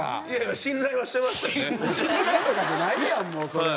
信頼とかじゃないやんもうそれは。